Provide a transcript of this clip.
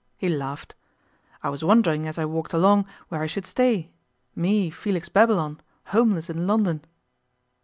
He laughed. 'I was wondering as I walked along where I should stay me, Felix Babylon, homeless in London.